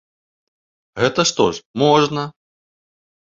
Гэта што ж, можна.